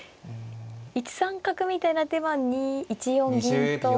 １三角みたいな手は１四銀と。